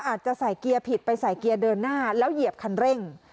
อาจจะใส่เกียร์ผิดไปใส่เกียร์เดินหน้าแล้วเหยียบคันเร่ง